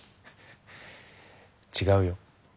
違うよ。